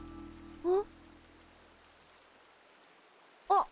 あっ。